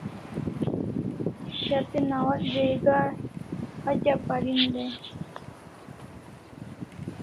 Shat'e nawats jaiga hatya parin dai